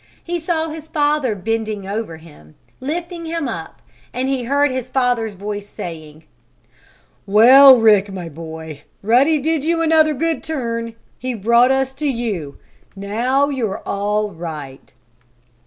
He saw his father bending over him, lifting him up, and he heard his father's voice saying: "Well, Rick, my boy! Ruddy did you another good turn! He brought us to you! Now you're all right!"